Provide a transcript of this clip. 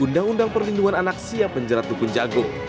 undang undang perlindungan anak siap penjara tukun jagung